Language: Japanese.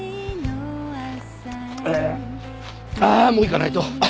ああっもう行かないと。